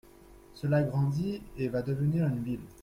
Cela grandit et va devenir une ville.